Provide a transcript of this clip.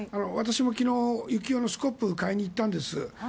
私も昨日、雪用のスコップを買いに行ったんです。